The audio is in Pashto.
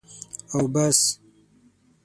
او بس.